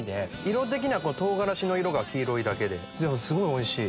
色は唐辛子の色が黄色いだけですごいおいしい！